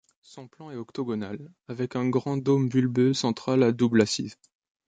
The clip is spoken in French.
Son plan est octogonal, avec un grand dôme bulbeux central à double assise.